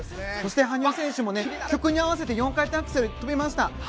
そして、羽生選手も曲に合わせて４回転アクセル跳びました。